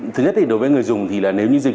thứ nhất đối với người dùng